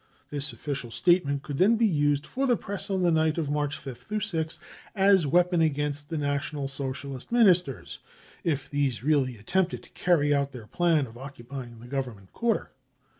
I his official statement could then be used for the Press on the night of March 5th 6th as a weapon against the National Socialist Ministers, if these really attempted to carry out their plan of occupying the Government quarter.